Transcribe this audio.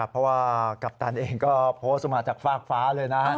เพราะว่ากัปตันเองก็โพสต์ลงมาจากฟากฟ้าเลยนะ